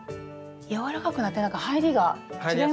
柔らかくなってなんか入りが違いますね。